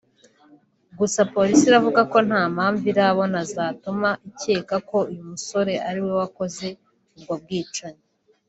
gusa polisi iravuga ko nta mpamvu irabona zatuma ikeka ko uyu musore ariwe wakoze ubwo bwicanyi